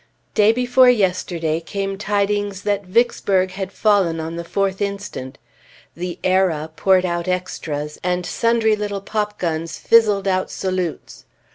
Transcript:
Day before yesterday came tidings that Vicksburg had fallen on the 4th inst. The "Era" poured out extras, and sundry little popguns fizzled out salutes.